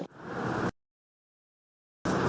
với mục tiêu giữ vững bên trong